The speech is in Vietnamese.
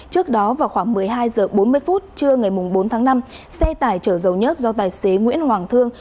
trước đó vào khoảng một mươi hai h bốn mươi trưa ngày bốn tháng năm xe tải chở dầu nhớt do tài xế nguyễn hoàng thương